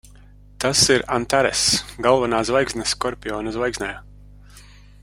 Tas ir Antaress. Galvenā zvaigzne Skorpiona zvaigznājā.